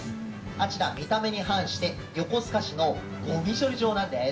あちら、見た目に反して横須賀市のごみ処理場なんです。